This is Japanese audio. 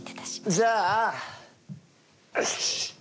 じゃあよし。